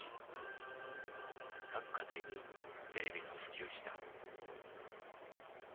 各家庭にテレビが普及した。